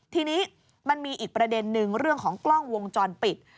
ทีนี้มันมีอีกประเด็นนึงเรื่องของกล้องวงจรปิด